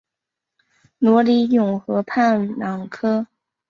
罗尼永河畔朗科。